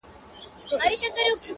نه دعوه نه بهانه سي څوك منلاى.!